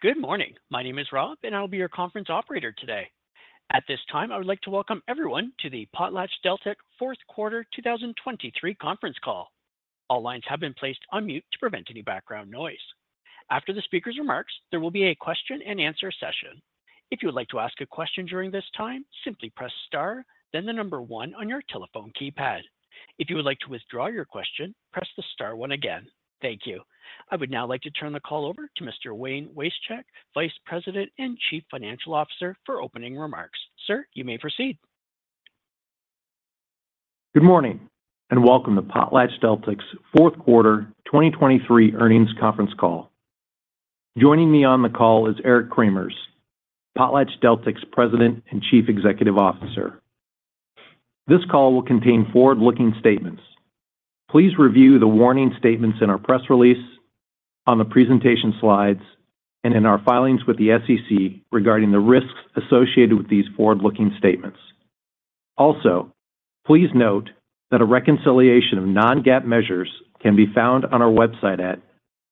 Good morning. My name is Rob, and I'll be your conference operator today. At this time, I would like to welcome everyone to the PotlatchDeltic fourth quarter 2023 conference call. All lines have been placed on mute to prevent any background noise. After the speaker's remarks, there will be a question and answer session. If you would like to ask a question during this time, simply press star, then the number one on your telephone keypad. If you would like to withdraw your question, press the star one again. Thank you. I would now like to turn the call over to Mr. Wayne Wasechek, Vice President and Chief Financial Officer, for opening remarks. Sir, you may proceed. Good morning, and welcome to PotlatchDeltic's fourth quarter 2023 earnings conference call. Joining me on the call is Eric Cremers, PotlatchDeltic's President and Chief Executive Officer. This call will contain forward-looking statements. Please review the warning statements in our press release, on the presentation slides, and in our filings with the SEC regarding the risks associated with these forward-looking statements. Also, please note that a reconciliation of non-GAAP measures can be found on our website at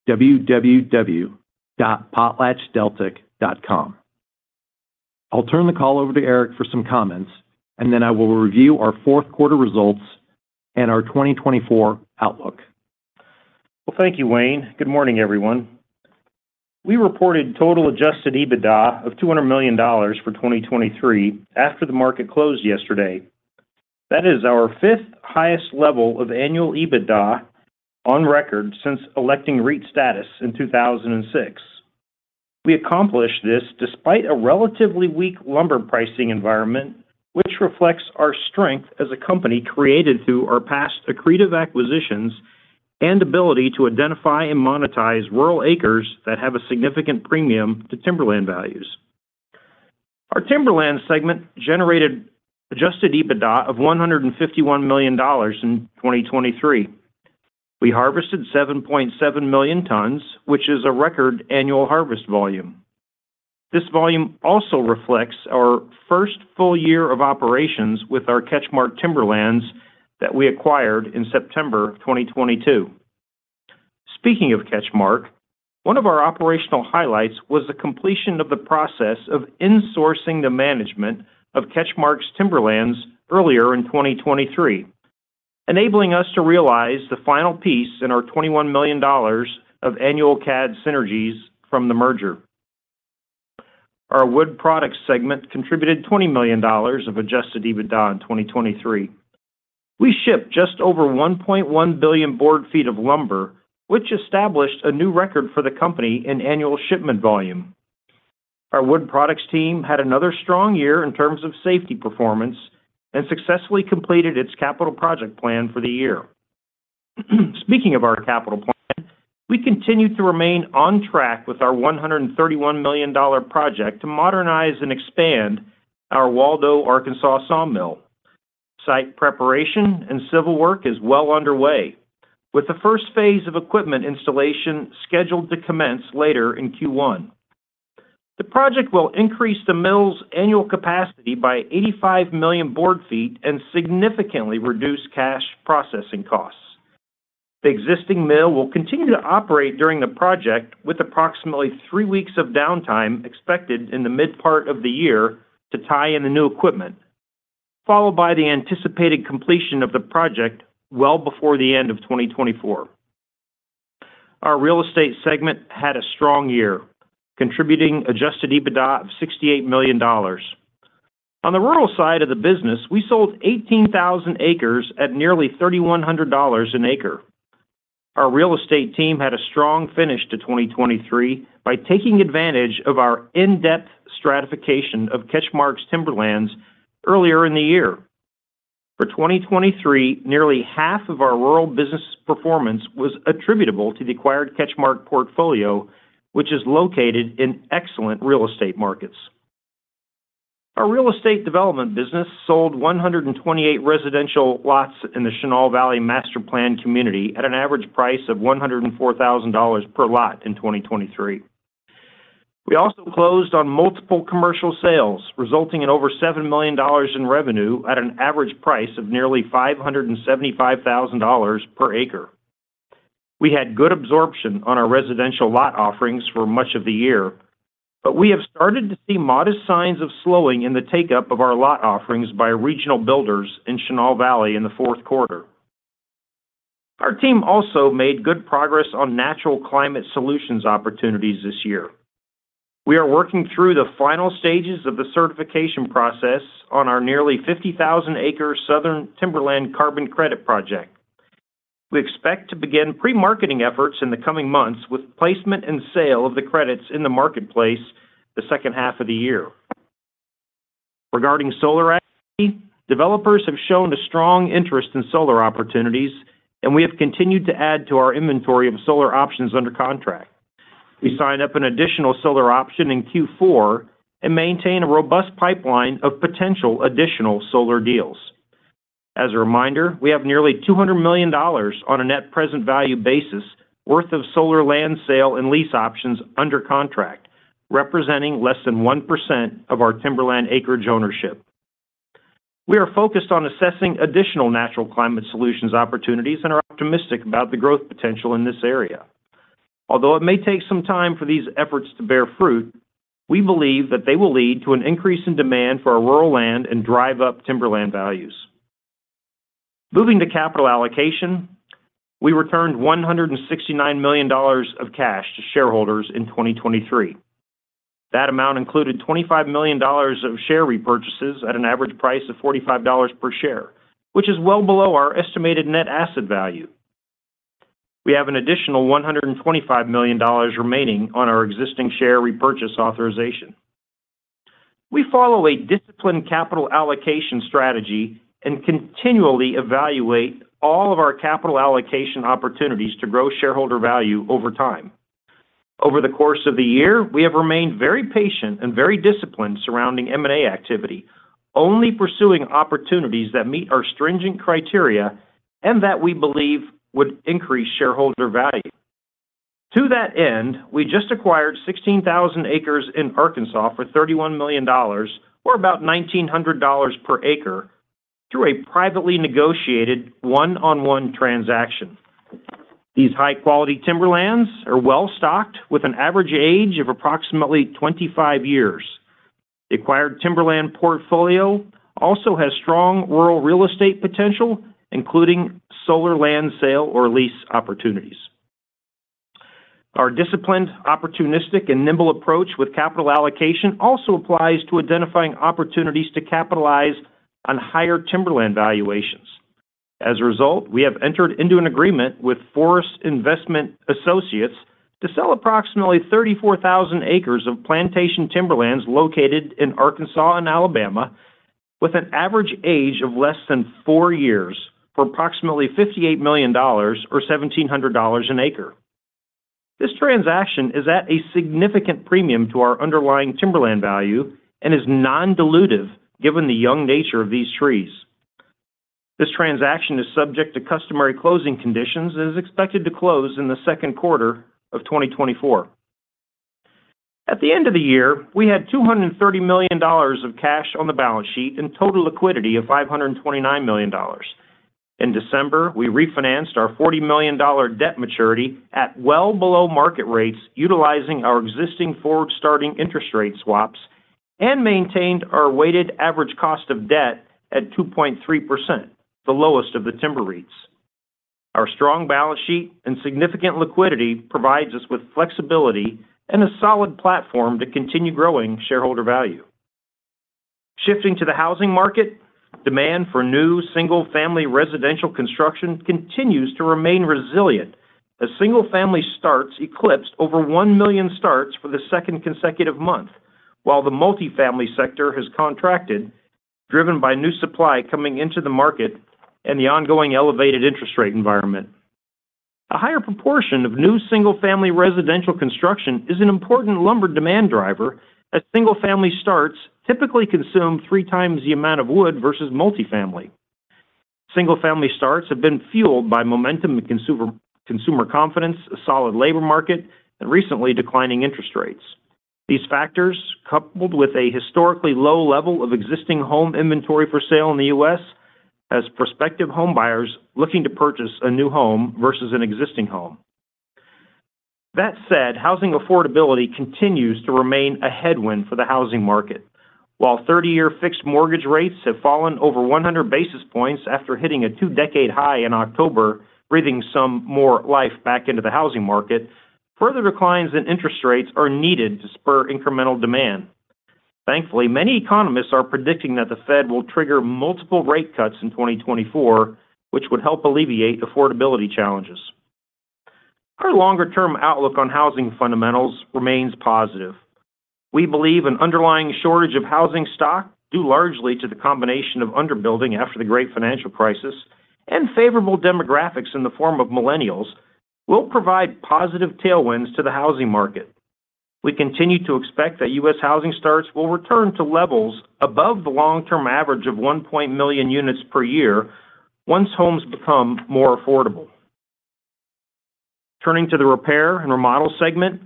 www.potlatchdeltic.com. I'll turn the call over to Eric for some comments, and then I will review our fourth quarter results and our 2024 outlook. Well, thank you, Wayne. Good morning, everyone. We reported total adjusted EBITDA of $200 million for 2023 after the market closed yesterday. That is our 5th highest level of annual EBITDA on record since electing REIT status in 2006. We accomplished this despite a relatively weak lumber pricing environment, which reflects our strength as a company created through our past accretive acquisitions and ability to identify and monetize rural acres that have a significant premium to timberland values. Our Timberlands Segment generated adjusted EBITDA of $151 million in 2023. We harvested 7.7 million tons, which is a record annual harvest volume. This volume also reflects our first full year of operations with our CatchMark Timberlands that we acquired in September 2022. Speaking of CatchMark, one of our operational highlights was the completion of the process of insourcing the management of CatchMark's timberlands earlier in 2023, enabling us to realize the final piece in our $21 million of annual CAD synergies from the merger. Our Wood Products segment contributed $20 million of adjusted EBITDA in 2023. We shipped just over 1.1 billion board feet of lumber, which established a new record for the company in annual shipment volume. Our Wood Products team had another strong year in terms of safety performance and successfully completed its capital project plan for the year. Speaking of our capital plan, we continued to remain on track with our $131 million project to modernize and expand our Waldo, Arkansas sawmill. Site preparation and civil work is well underway, with the first phase of equipment installation scheduled to commence later in Q1. The project will increase the mill's annual capacity by 85 million board feet and significantly reduce cash processing costs. The existing mill will continue to operate during the project, with approximately 3 weeks of downtime expected in the mid part of the year to tie in the new equipment, followed by the anticipated completion of the project well before the end of 2024. Our Real Estate segment had a strong year, contributing adjusted EBITDA of $68 million. On the rural side of the business, we sold 18,000 acres at nearly $3,100 an acre. Our real estate team had a strong finish to 2023 by taking advantage of our in-depth stratification of CatchMark's timberlands earlier in the year. For 2023, nearly half of our rural business performance was attributable to the acquired CatchMark portfolio, which is located in excellent real estate markets. Our real estate development business sold 128 residential lots in the Chenal Valley master plan community at an average price of $104,000 per lot in 2023. We also closed on multiple commercial sales, resulting in over $7 million in revenue at an average price of nearly $575,000 per acre. We had good absorption on our residential lot offerings for much of the year, but we have started to see modest signs of slowing in the take-up of our lot offerings by regional builders in Chenal Valley in the fourth quarter. Our team also made good progress on natural climate solutions opportunities this year. We are working through the final stages of the certification process on our nearly 50,000-acre Southern Timberland carbon credit project. We expect to begin pre-marketing efforts in the coming months, with placement and sale of the credits in the marketplace the second half of the year. Regarding solar energy, developers have shown a strong interest in solar opportunities, and we have continued to add to our inventory of solar options under contract. We signed up an additional solar option in Q4 and maintain a robust pipeline of potential additional solar deals. As a reminder, we have nearly $200 million on a net present value basis worth of solar land sale and lease options under contract, representing less than 1% of our timberland acreage ownership. We are focused on assessing additional natural climate solutions opportunities and are optimistic about the growth potential in this area. Although it may take some time for these efforts to bear fruit, we believe that they will lead to an increase in demand for our rural land and drive up timberland values. Moving to capital allocation, we returned $169 million of cash to shareholders in 2023. That amount included $25 million of share repurchases at an average price of $45 per share, which is well below our estimated net asset value. We have an additional $125 million remaining on our existing share repurchase authorization. We follow a disciplined capital allocation strategy and continually evaluate all of our capital allocation opportunities to grow shareholder value over time. Over the course of the year, we have remained very patient and very disciplined surrounding M&A activity, only pursuing opportunities that meet our stringent criteria and that we believe would increase shareholder value. To that end, we just acquired 16,000 acres in Arkansas for $31 million, or about $1,900 per acre, through a privately negotiated one-on-one transaction. These high-quality timberlands are well-stocked, with an average age of approximately 25 years. The acquired timberland portfolio also has strong rural real estate potential, including solar land sale or lease opportunities. Our disciplined, opportunistic, and nimble approach with capital allocation also applies to identifying opportunities to capitalize on higher timberland valuations. As a result, we have entered into an agreement with Forest Investment Associates to sell approximately 34,000 acres of plantation timberlands located in Arkansas and Alabama, with an average age of less than 4 years, for approximately $58 million or $1,700 an acre. This transaction is at a significant premium to our underlying timberland value and is non-dilutive, given the young nature of these trees. This transaction is subject to customary closing conditions and is expected to close in the second quarter of 2024. At the end of the year, we had $230 million of cash on the balance sheet and total liquidity of $529 million. In December, we refinanced our $40 million debt maturity at well below market rates, utilizing our existing forward-starting interest rate swaps, and maintained our weighted average cost of debt at 2.3%, the lowest of the timber REITs. Our strong balance sheet and significant liquidity provides us with flexibility and a solid platform to continue growing shareholder value. Shifting to the housing market, demand for new single-family residential construction continues to remain resilient as single-family starts eclipsed over 1 million starts for the second consecutive month, while the multifamily sector has contracted, driven by new supply coming into the market and the ongoing elevated interest rate environment. A higher proportion of new single-family residential construction is an important lumber demand driver, as single-family starts typically consume three times the amount of wood versus multifamily. Single-family starts have been fueled by momentum in consumer, consumer confidence, a solid labor market, and recently, declining interest rates. These factors, coupled with a historically low level of existing home inventory for sale in the U.S., has prospective home buyers looking to purchase a new home versus an existing home. That said, housing affordability continues to remain a headwind for the housing market. While 30-year fixed mortgage rates have fallen over 100 basis points after hitting a two-decade high in October, breathing some more life back into the housing market, further declines in interest rates are needed to spur incremental demand. Thankfully, many economists are predicting that the Fed will trigger multiple rate cuts in 2024, which would help alleviate affordability challenges. Our longer-term outlook on housing fundamentals remains positive. We believe an underlying shortage of housing stock, due largely to the combination of underbuilding after the Great Financial Crisis and favorable demographics in the form of Millennials, will provide positive tailwinds to the housing market. We continue to expect that U.S. housing starts will return to levels above the long-term average of 1.1 million units per year once homes become more affordable. Turning to the repair and remodel segment,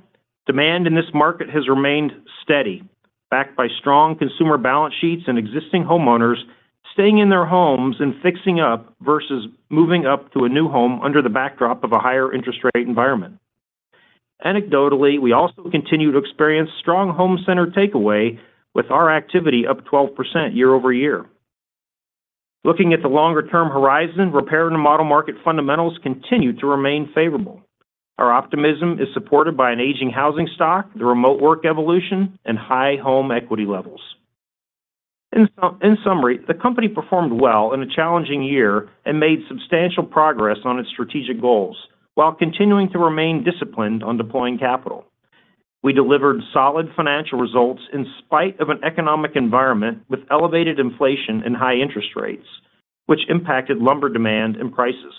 demand in this market has remained steady, backed by strong consumer balance sheets and existing homeowners staying in their homes and fixing up versus moving up to a new home under the backdrop of a higher interest rate environment. Anecdotally, we also continue to experience strong home center takeaway, with our activity up 12% year-over-year. Looking at the longer-term horizon, repair and remodel market fundamentals continue to remain favorable. Our optimism is supported by an aging housing stock, the remote work evolution, and high home equity levels. In summary, the company performed well in a challenging year and made substantial progress on its strategic goals while continuing to remain disciplined on deploying capital. We delivered solid financial results in spite of an economic environment with elevated inflation and high interest rates, which impacted lumber demand and prices.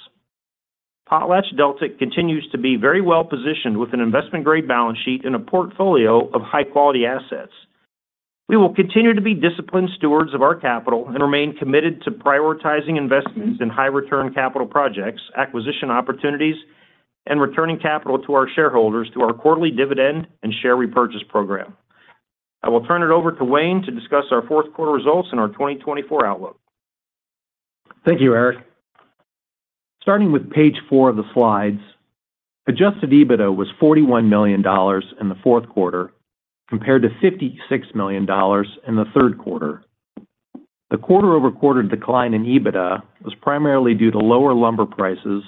PotlatchDeltic continues to be very well-positioned with an investment-grade balance sheet and a portfolio of high-quality assets. We will continue to be disciplined stewards of our capital and remain committed to prioritizing investments in high-return capital projects, acquisition opportunities, and returning capital to our shareholders through our quarterly dividend and share repurchase program. I will turn it over to Wayne to discuss our fourth quarter results and our 2024 outlook. Thank you, Eric. Starting with page four of the slides, adjusted EBITDA was $41 million in the fourth quarter, compared to $56 million in the third quarter. The quarter-over-quarter decline in EBITDA was primarily due to lower lumber prices,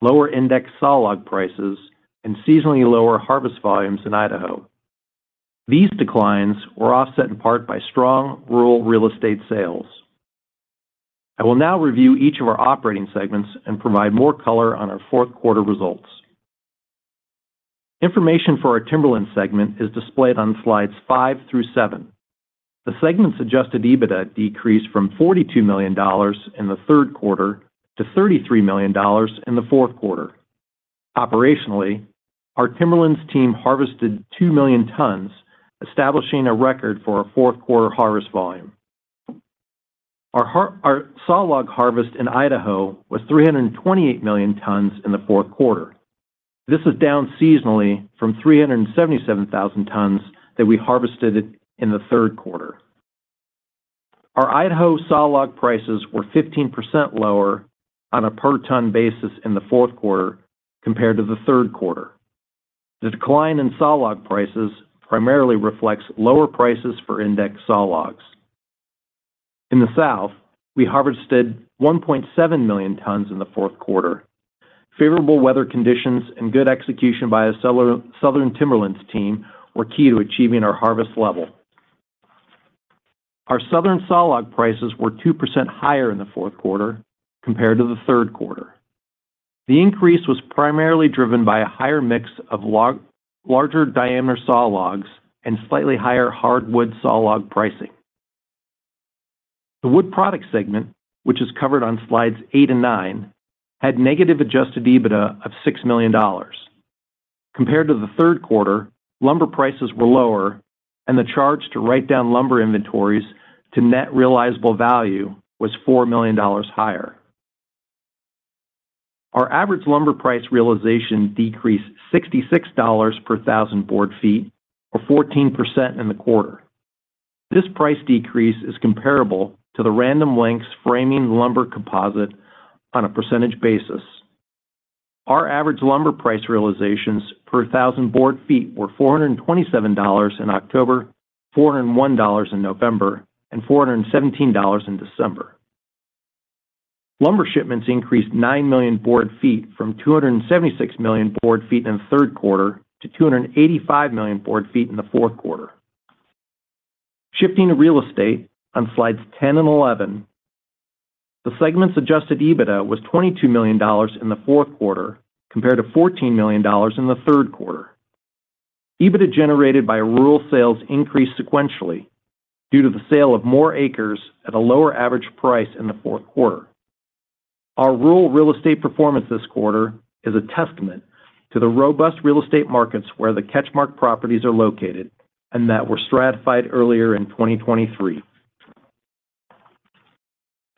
lower index sawlog prices, and seasonally lower harvest volumes in Idaho. These declines were offset in part by strong rural real estate sales. I will now review each of our operating segments and provide more color on our fourth quarter results. Information for our Timberlands segment is displayed on slides five through seven. The segment's adjusted EBITDA decreased from $42 million in the third quarter to $33 million in the fourth quarter. Operationally, our Timberlands team harvested 2 million tons, establishing a record for our fourth quarter harvest volume. Our sawlog harvest in Idaho was 328 million tons in the fourth quarter. This is down seasonally from 377,000 tons that we harvested in the third quarter. Our Idaho sawlog prices were 15% lower on a per ton basis in the fourth quarter compared to the third quarter. The decline in sawlog prices primarily reflects lower prices for index sawlogs. In the South, we harvested 1.7 million tons in the fourth quarter. Favorable weather conditions and good execution by our Southern Timberlands team were key to achieving our harvest level. Our southern sawlog prices were 2% higher in the fourth quarter compared to the third quarter. The increase was primarily driven by a higher mix of larger-diameter sawlogs and slightly higher hardwood sawlog pricing. The Wood Products segment, which is covered on slides eight and nine, had negative adjusted EBITDA of $6 million. Compared to the third quarter, lumber prices were lower, and the charge to write down lumber inventories to net realizable value was $4 million higher. Our average lumber price realization decreased $66 per 1,000 board feet, or 14% in the quarter. This price decrease is comparable to the Random Lengths Framing Lumber Composite on a percentage basis. Our average lumber price realizations per 1,000 board feet were $427 in October, $401 in November, and $417 in December. Lumber shipments increased 9 million board feet from 276 million board feet in the third quarter to 285 million board feet in the fourth quarter. Shifting to Real Estate on slides 10 and 11, the segment's adjusted EBITDA was $22 million in the fourth quarter, compared to $14 million in the third quarter. EBITDA generated by rural sales increased sequentially due to the sale of more acres at a lower average price in the fourth quarter. Our rural real estate performance this quarter is a testament to the robust real estate markets where the CatchMark properties are located and that were stratified earlier in 2023.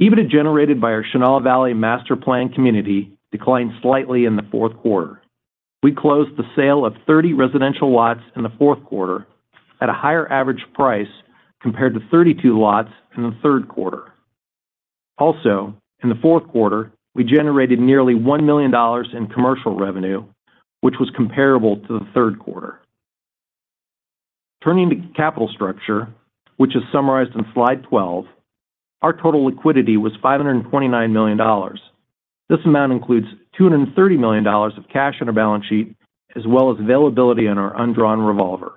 EBITDA generated by our Chenal Valley master plan community declined slightly in the fourth quarter. We closed the sale of 30 residential lots in the fourth quarter at a higher average price compared to 32 lots in the third quarter. Also, in the fourth quarter, we generated nearly $1 million in commercial revenue, which was comparable to the third quarter. Turning to capital structure, which is summarized on slide 12, our total liquidity was $529 million. This amount includes $230 million of cash on our balance sheet, as well as availability on our undrawn revolver.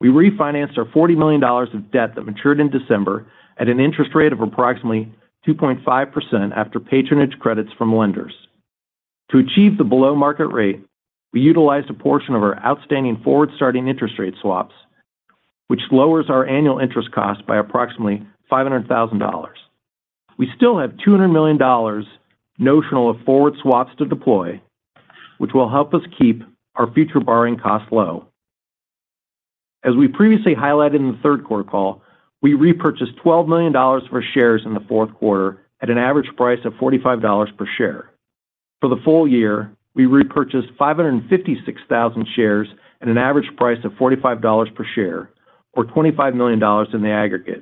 We refinanced our $40 million of debt that matured in December at an interest rate of approximately 2.5% after patronage credits from lenders. To achieve the below-market rate, we utilized a portion of our outstanding forward-starting interest rate swaps, which lowers our annual interest cost by approximately $500,000. We still have $200 million notional of forward swaps to deploy, which will help us keep our future borrowing costs low. As we previously highlighted in the third quarter call, we repurchased $12 million worth of shares in the fourth quarter at an average price of $45 per share. For the full year, we repurchased 556,000 shares at an average price of $45 per share, or $25 million in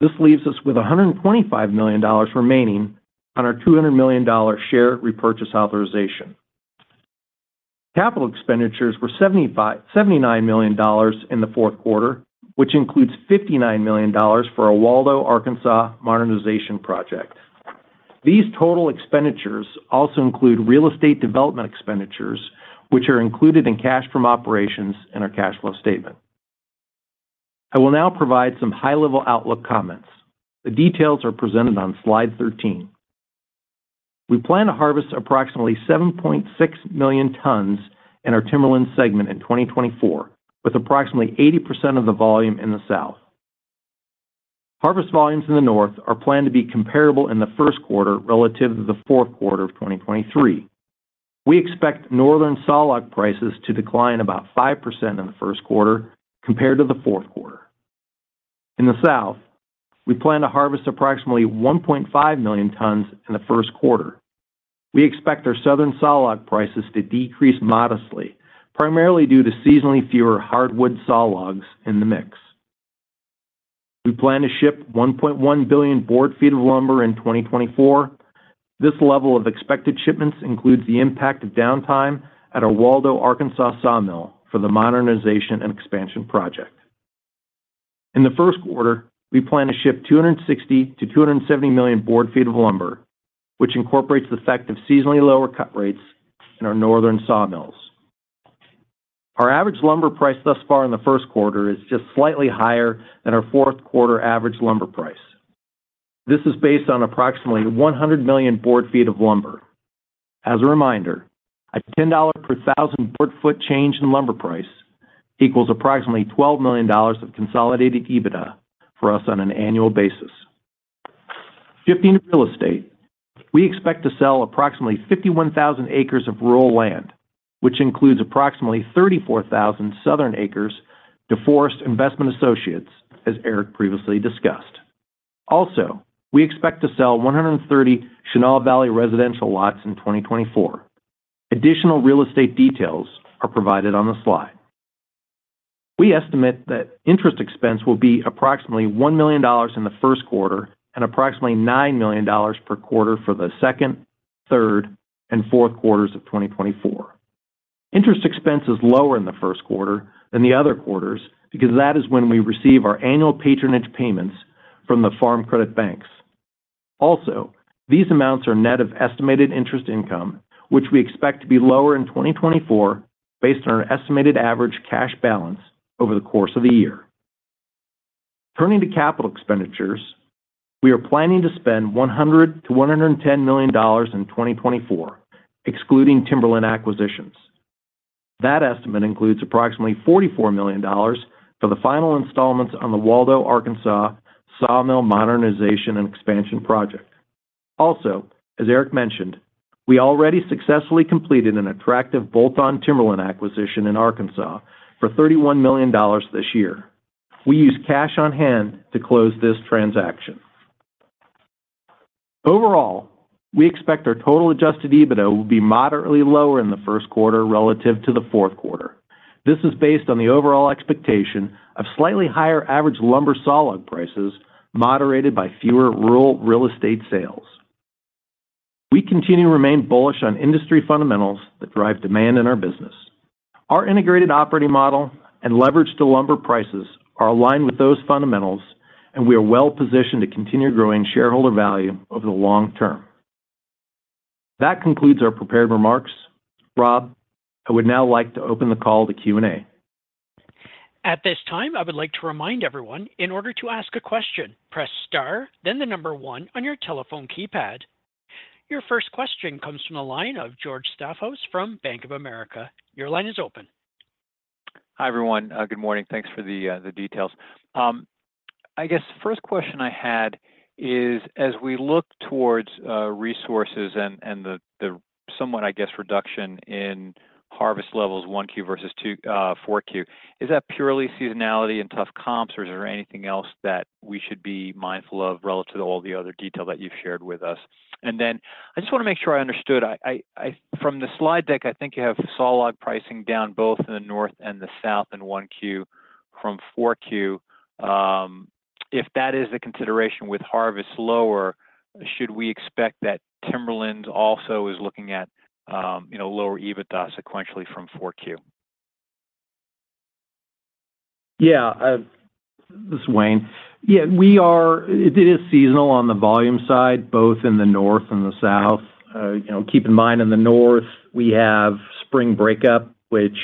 the aggregate. This leaves us with $125 million remaining on our $200 million share repurchase authorization. Capital expenditures were $75.79 million in the fourth quarter, which includes $59 million for our Waldo, Arkansas, modernization project. These total expenditures also include real estate development expenditures, which are included in cash from operations and our cash flow statement. I will now provide some high-level outlook comments. The details are presented on Slide 13. We plan to harvest approximately 7.6 million tons in our Timberland segment in 2024, with approximately 80% of the volume in the South. Harvest volumes in the North are planned to be comparable in the first quarter relative to the fourth quarter of 2023. We expect northern sawlog prices to decline about 5% in the first quarter compared to the fourth quarter. In the South, we plan to harvest approximately 1.5 million tons in the first quarter. We expect our southern sawlog prices to decrease modestly, primarily due to seasonally fewer hardwood sawlogs in the mix. We plan to ship 1.1 billion board feet of lumber in 2024. This level of expected shipments includes the impact of downtime at our Waldo, Arkansas sawmill for the modernization and expansion project. In the first quarter, we plan to ship 260 million-270 million board feet of lumber, which incorporates the effect of seasonally lower cut rates in our northern sawmills. Our average lumber price thus far in the first quarter is just slightly higher than our fourth quarter average lumber price. This is based on approximately 100 million board feet of lumber. As a reminder, a $10 per thousand board feet change in lumber price equals approximately $12 million of consolidated EBITDA for us on an annual basis. Shifting to real estate, we expect to sell approximately 51,000 acres of rural land, which includes approximately 34,000 southern acres to Forest Investment Associates, as Eric previously discussed. Also, we expect to sell 130 Chenal Valley residential lots in 2024. Additional real estate details are provided on the slide. We estimate that interest expense will be approximately $1 million in the first quarter and approximately $9 million per quarter for the second, third, and fourth quarters of 2024. Interest expense is lower in the first quarter than the other quarters because that is when we receive our annual patronage payments from the Farm Credit Banks. Also, these amounts are net of estimated interest income, which we expect to be lower in 2024 based on our estimated average cash balance over the course of the year. Turning to capital expenditures, we are planning to spend $100 million-$110 million in 2024, excluding timberland acquisitions. That estimate includes approximately $44 million for the final installments on the Waldo, Arkansas sawmill modernization and expansion project. Also, as Eric mentioned, we already successfully completed an attractive bolt-on timberland acquisition in Arkansas for $31 million this year. We used cash on hand to close this transaction. Overall, we expect our total adjusted EBITDA will be moderately lower in the first quarter relative to the fourth quarter. This is based on the overall expectation of slightly higher average lumber sawlog prices, moderated by fewer rural real estate sales. We continue to remain bullish on industry fundamentals that drive demand in our business. Our integrated operating model and leverage to lumber prices are aligned with those fundamentals, and we are well-positioned to continue growing shareholder value over the long term. That concludes our prepared remarks. Rob, I would now like to open the call to Q&A. At this time, I would like to remind everyone, in order to ask a question, press star, then the number one on your telephone keypad. Your first question comes from the line of George Staphos from Bank of America. Your line is open. Hi, everyone, good morning. Thanks for the details. I guess the first question I had is, as we look towards resources and the somewhat reduction in harvest levels, 1Q versus 2, 4Q, is that purely seasonality and tough comps, or is there anything else that we should be mindful of relative to all the other detail that you've shared with us? And then I just wanna make sure I understood. From the slide deck, I think you have sawlog pricing down both in the North and the South in 1Q from 4Q. If that is the consideration with harvest lower, should we expect that timberland also is looking at, you know, lower EBITDA sequentially from 4Q? Yeah, this is Wayne. Yeah, it is seasonal on the volume side, both in the North and the South. You know, keep in mind, in the North, we have spring breakup, which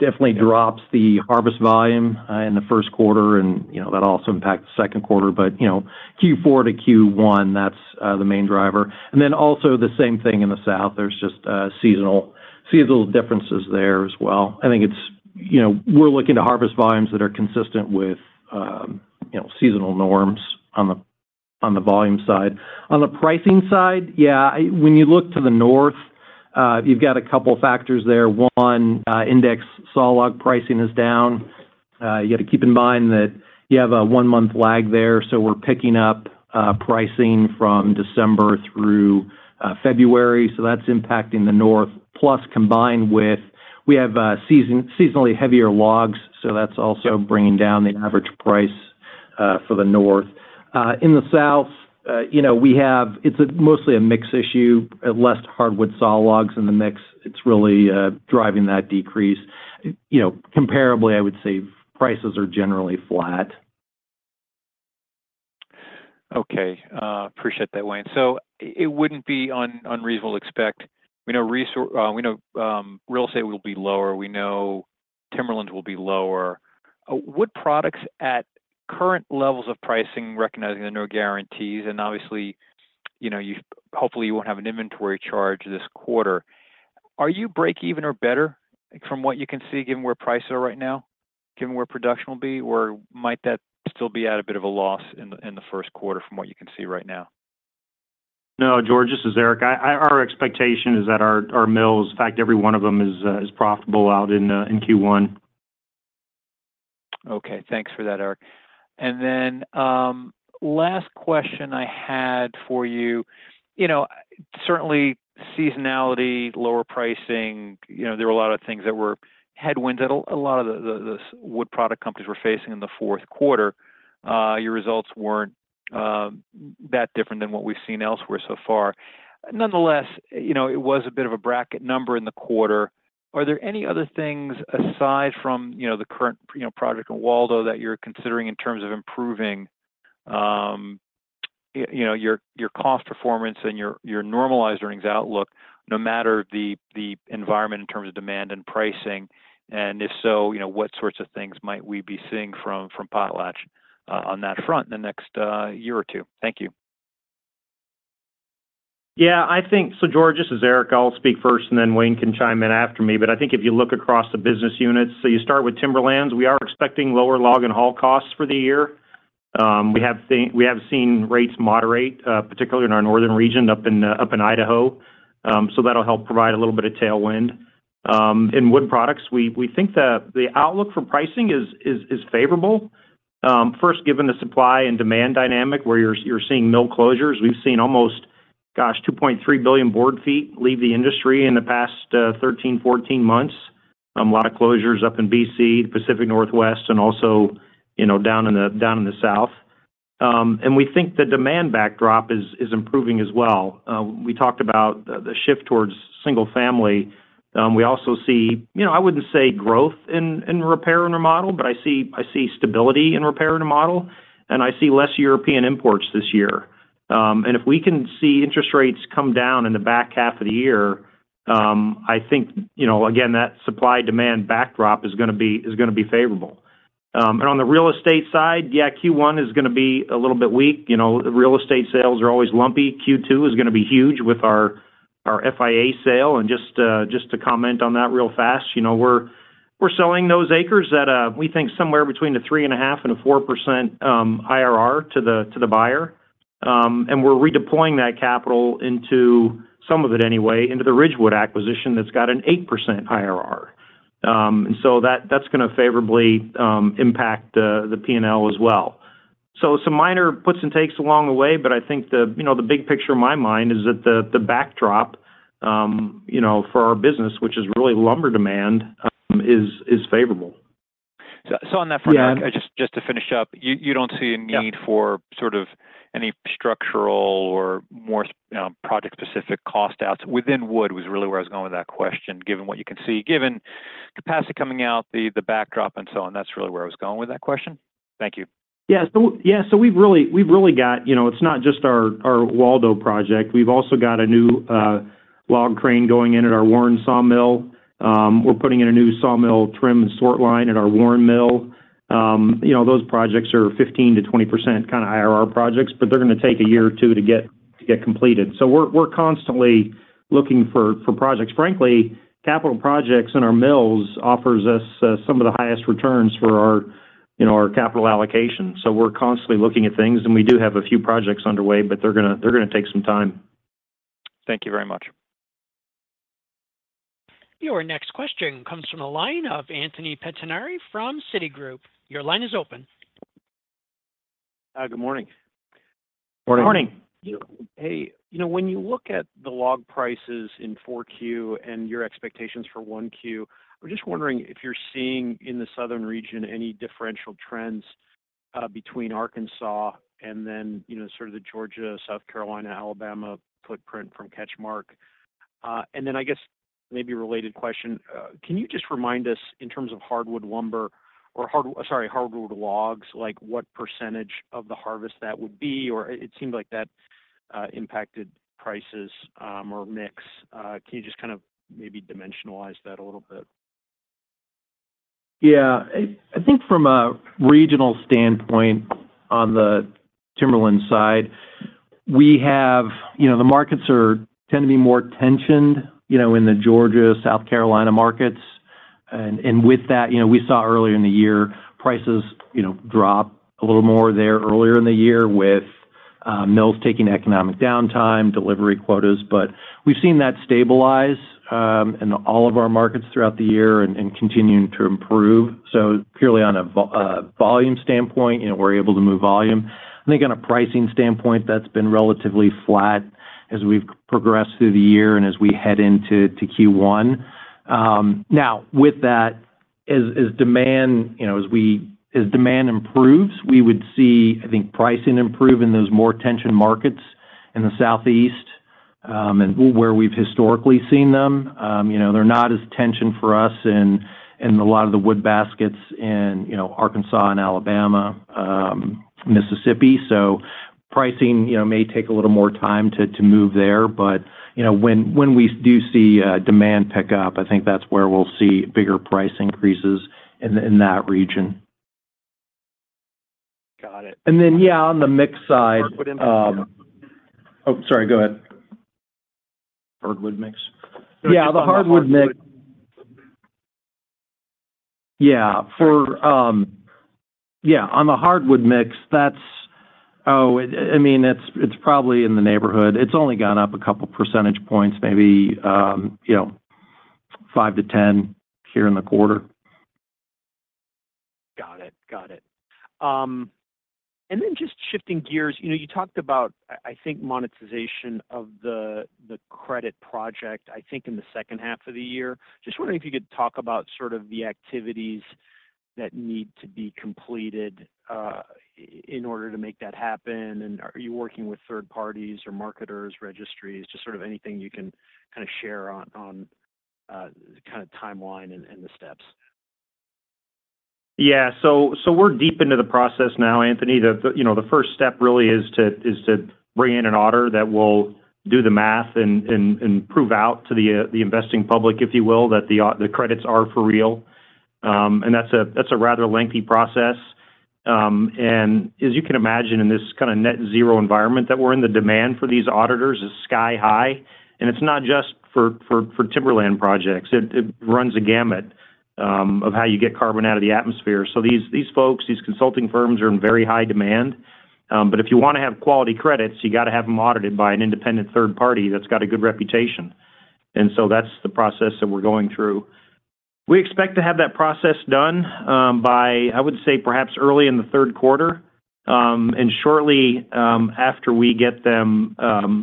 definitely drops the harvest volume in the first quarter, and, you know, that also impacts the second quarter. But, you know, Q4 to Q1, that's the main driver. And then also the same thing in the South. There's just seasonal differences there as well. I think it's, you know, we're looking to harvest volumes that are consistent with, you know, seasonal norms on the volume side. On the pricing side, yeah, when you look to the North, you've got a couple factors there. One, index sawlog pricing is down. You got to keep in mind that you have a one-month lag there, so we're picking up pricing from December through February, so that's impacting the North. Plus, combined with... We have seasonally heavier logs, so that's also bringing down the average price for the North. In the South, you know, it's mostly a mix issue, less hardwood sawlogs in the mix. It's really driving that decrease. You know, comparably, I would say prices are generally flat. Okay. Appreciate that, Wayne. So it wouldn't be unreasonable to expect, we know real estate will be lower. We know timberlands will be lower. Would products at current levels of pricing, recognizing there are no guarantees, and obviously, you know, you hopefully won't have an inventory charge this quarter, are you break even or better from what you can see, given where prices are right now, given where production will be? Or might that still be at a bit of a loss in the first quarter from what you can see right now? No, George, this is Eric. Our expectation is that our mills, in fact, every one of them, is profitable in Q1. Okay, thanks for that, Eric. And then, last question I had for you, you know, certainly seasonality, lower pricing, you know, there were a lot of things that were headwinds that a lot of the wood product companies were facing in the fourth quarter. Your results weren't that different than what we've seen elsewhere so far. Nonetheless, you know, it was a bit of a bracket number in the quarter. Are there any other things aside from, you know, the current, you know, project in Waldo that you're considering in terms of improving, you know, your cost performance and your normalized earnings outlook, no matter the environment in terms of demand and pricing? If so, you know, what sorts of things might we be seeing from Potlatch on that front in the next year or two? Thank you. Yeah, I think. So, George, this is Eric. I'll speak first, and then Wayne can chime in after me. But I think if you look across the business units, so you start with timberlands. We are expecting lower log and haul costs for the year. We have seen rates moderate, particularly in our northern region, up in Idaho. So that'll help provide a little bit of tailwind. In wood products, we think that the outlook for pricing is favorable. First, given the supply and demand dynamic, where you're seeing mill closures, we've seen almost, gosh, 2.3 billion board feet leave the industry in the past 13-14 months. A lot of closures up in BC, Pacific Northwest, and also, you know, down in the South. And we think the demand backdrop is improving as well. We talked about the shift towards single family. We also see, you know, I wouldn't say growth in repair and remodel, but I see stability in repair and remodel, and I see less European imports this year. And if we can see interest rates come down in the back half of the year, I think, you know, again, that supply-demand backdrop is gonna be favorable. And on the real estate side, yeah, Q1 is gonna be a little bit weak. You know, real estate sales are always lumpy. Q2 is gonna be huge with our FIA sale. And just, just to comment on that real fast, you know, we're, we're selling those acres at, we think somewhere between a 3.5% and a 4% IRR to the, to the buyer. And we're redeploying that capital into, some of it anyway, into the Richwood acquisition that's got an 8% IRR. And so that's gonna favorably, impact the, the P&L as well. So some minor puts and takes along the way, but I think the, you know, the big picture in my mind is that the, the backdrop, you know, for our business, which is really lumber demand, is, is favorable. So, on that front end just to finish up, you don't see a need for sort of any structural or more project-specific cost outs within wood, was really where I was going with that question, given what you can see. Given capacity coming out, the backdrop and so on, that's really where I was going with that question. Thank you. Yeah. So, yeah, so we've really—we've really got, you know, it's not just our Waldo project. We've also got a new log crane going in at our Warren sawmill. We're putting in a new sawmill trim and sort line at our Warren sawmill. You know, those projects are 15%-20% kind of IRR projects, but they're gonna take a year or two to get completed. So we're constantly looking for projects. Frankly, capital projects in our mills offer us some of the highest returns for our, you know, our capital allocation. So we're constantly looking at things, and we do have a few projects underway, but they're gonna take some time. Thank you very much. Your next question comes from the line of Anthony Pettinari from Citigroup. Your line is open. Good morning. Morning. Morning. Hey, you know, when you look at the log prices in 4Q and your expectations for 1Q, I was just wondering if you're seeing, in the southern region, any differential trends between Arkansas and then, you know, sort of the Georgia, South Carolina, Alabama footprint from CatchMark? And then I guess maybe a related question, can you just remind us in terms of hardwood lumber or sorry, hardwood logs, like, what percentage of the harvest that would be, or it seemed like that impacted prices or mix? Can you just kind of maybe dimensionalize that a little bit? Yeah. I think from a regional standpoint on the timberland side, we have. You know, the markets tend to be more tensioned, you know, in the Georgia, South Carolina markets. And with that, you know, we saw earlier in the year, prices, you know, drop a little more there earlier in the year with mills taking economic downtime, delivery quotas. But we've seen that stabilize in all of our markets throughout the year and continuing to improve. So purely on a volume standpoint, you know, we're able to move volume. I think on a pricing standpoint, that's been relatively flat as we've progressed through the year and as we head into Q1. Now, with that, as demand improves, we would see, I think, pricing improve in those more tension markets in the Southeast, and where we've historically seen them. You know, they're not as tensioned for us in a lot of the wood baskets in, you know, Arkansas and Alabama, Mississippi. So pricing, you know, may take a little more time to move there, but, you know, when we do see demand pick up, I think that's where we'll see bigger price increases in that region. Got it. And then, yeah, on the mix side- Hardwood mix. Oh, sorry, go ahead. Hardwood mix. Yeah, for yeah, on the hardwood mix, that's—oh, it, I mean, it's probably in the neighborhood. It's only gone up a couple percentage points, maybe, you know, 5-10 here in the quarter. Got it. Got it. And then just shifting gears, you know, you talked about, I think, monetization of the credit project, I think, in the second half of the year. Just wondering if you could talk about sort of the activities that need to be completed in order to make that happen, and are you working with third parties or marketers, registries? Just sort of anything you can kind of share on the timeline and the steps. Yeah. So we're deep into the process now, Anthony. You know, the first step really is to bring in an auditor that will do the math and prove out to the investing public, if you will, that the credits are for real. And that's a rather lengthy process. And as you can imagine, in this kind of net zero environment that we're in, the demand for these auditors is sky high, and it's not just for timberland projects. It runs a gamut of how you get carbon out of the atmosphere. So these folks, these consulting firms are in very high demand. But if you want to have quality credits, you got to have them audited by an independent third party that's got a good reputation. And so that's the process that we're going through. We expect to have that process done by, I would say, perhaps early in the third quarter. And shortly after we get them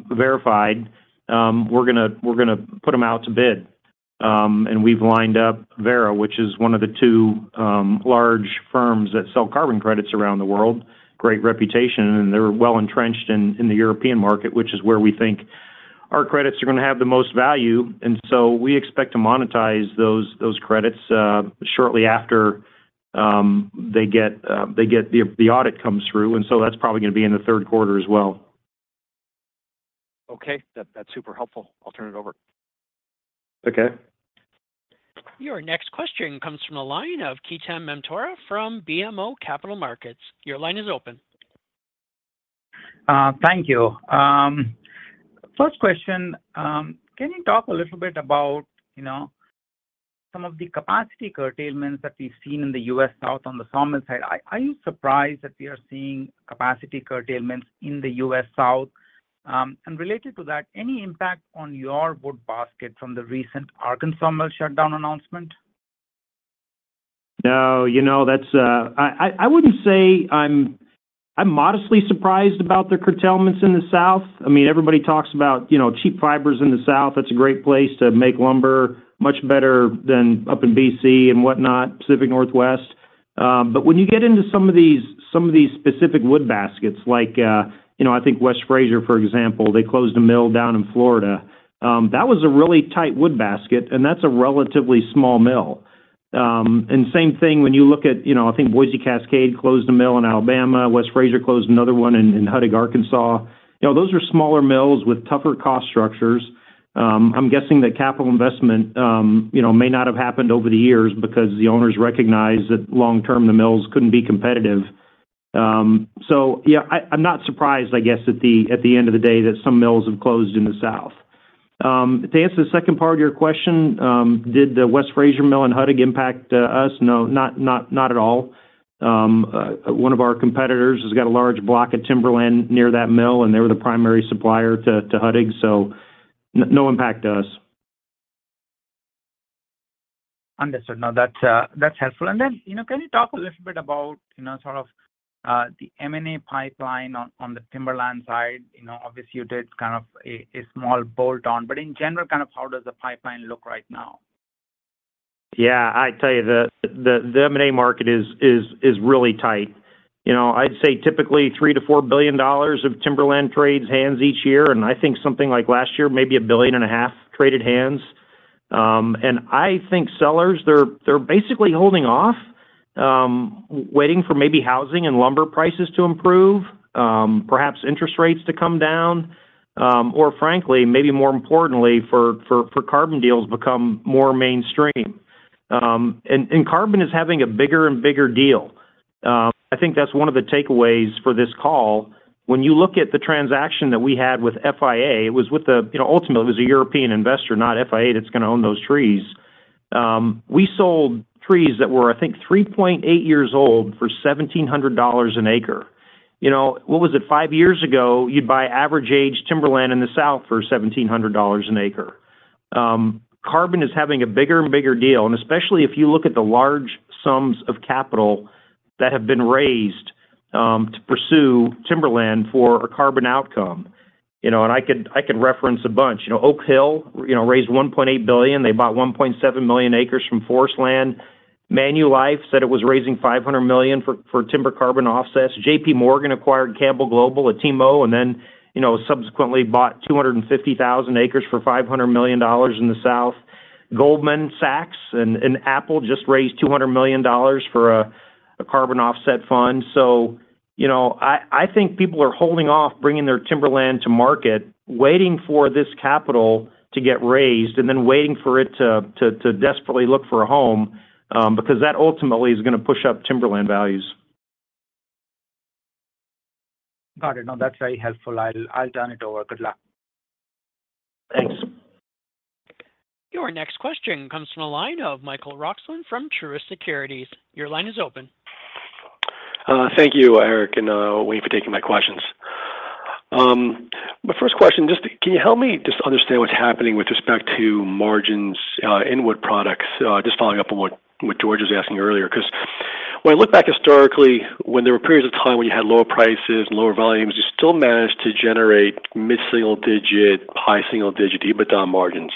verified, we're gonna, we're gonna put them out to bid. And we've lined up Verra, which is one of the two large firms that sell carbon credits around the world. Great reputation, and they're well entrenched in the European market, which is where we think our credits are going to have the most value, and so we expect to monetize those credits shortly after they get the audit comes through, and so that's probably gonna be in the third quarter as well. Okay. That, that's super helpful. I'll turn it over. Okay. Your next question comes from the line of Ketan Mamtora from BMO Capital Markets. Your line is open. Thank you. First question, can you talk a little bit about, you know, some of the capacity curtailments that we've seen in the U.S. South on the sawmill side? Are you surprised that we are seeing capacity curtailments in the U.S. South? And related to that, any impact on your wood basket from the recent Arkansas mill shutdown announcement? No, you know, that's. I wouldn't say I'm modestly surprised about the curtailments in the South. I mean, everybody talks about, you know, cheap fibers in the South. That's a great place to make lumber, much better than up in BC and whatnot, Pacific Northwest. But when you get into some of these, some of these specific wood baskets, like, you know, I think West Fraser, for example, they closed a mill down in Florida. That was a really tight wood basket, and that's a relatively small mill. And same thing when you look at, you know, I think Boise Cascade closed a mill in Alabama, West Fraser closed another one in Huttig, Arkansas. You know, those are smaller mills with tougher cost structures. I'm guessing that capital investment, you know, may not have happened over the years because the owners recognized that long term, the mills couldn't be competitive. So yeah, I, I'm not surprised, I guess, at the end of the day, that some mills have closed in the South. To answer the second part of your question, did the West Fraser mill in Huttig impact us? No, not at all. One of our competitors has got a large block of timberland near that mill, and they were the primary supplier to Huttig, so no impact to us. Understood. No, that's, that's helpful. And then, you know, can you talk a little bit about, you know, sort of, the M&A pipeline on the timberland side? You know, obviously, you did kind of a small bolt-on, but in general, kind of how does the pipeline look right now? Yeah, I tell you, the M&A market is really tight. You know, I'd say typically $3 billion-$4 billion of timberland trades hands each year, and I think something like last year, maybe $1.5 billion traded hands. And I think sellers, they're basically holding off, waiting for maybe housing and lumber prices to improve, perhaps interest rates to come down, or frankly, maybe more importantly, for carbon deals to become more mainstream. And carbon is having a bigger and bigger deal. I think that's one of the takeaways for this call. When you look at the transaction that we had with FIA, it was with the, you know, ultimately, it was a European investor, not FIA, that's gonna own those trees. We sold trees that were, I think, 3.8 years old for $1,700 an acre. You know, what was it? 5 years ago, you'd buy average age timberland in the South for $1,700 an acre. Carbon is having a bigger and bigger deal, and especially if you look at the large sums of capital that have been raised, to pursue timberland for a carbon outcome. You know, and I could, I could reference a bunch. You know, Oak Hill, you know, raised $1.8 billion. They bought 1.7 million acres from Forestland. Manulife said it was raising $500 million for, for timber carbon offsets. JPMorgan acquired Campbell Global, a TIMO, and then, you know, subsequently bought 250,000 acres for $500 million in the South. Goldman Sachs and Apple just raised $200 million for a carbon offset fund. So, you know, I think people are holding off bringing their timberland to market, waiting for this capital to get raised, and then waiting for it to desperately look for a home, because that ultimately is gonna push up timberland values. Got it. No, that's very helpful. I'll, I'll turn it over. Good luck. Your next question comes from the line of Michael Roxland from Truist Securities. Your line is open. Thank you, Eric, and Wayne, for taking my questions. My first question, just can you help me just understand what's happening with respect to margins in wood products? Just following up on what George was asking earlier, 'cause when I look back historically, when there were periods of time when you had lower prices and lower volumes, you still managed to generate mid-single digit, high single-digit EBITDA margins.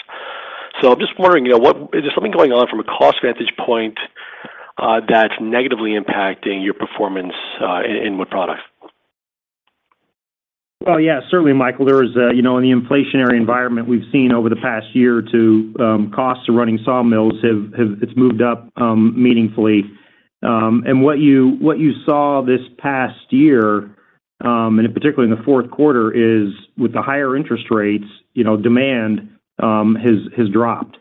So I'm just wondering, you know, what is there something going on from a cost vantage point that's negatively impacting your performance in wood product? Well, yeah, certainly, Michael. There is a, you know, in the inflationary environment we've seen over the past year or two, costs of running sawmills have moved up meaningfully. And what you saw this past year, and in particular in the fourth quarter, is with the higher interest rates, you know, demand has dropped.